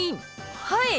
はい！